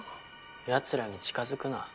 ヤツらに近づくな。